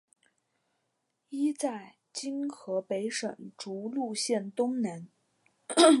一在今河北省涿鹿县东南。